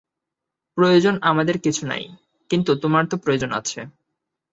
প্রয়োজন আমাদের কিছু নাই, কিন্তু তোমার তো প্রয়োজন আছে।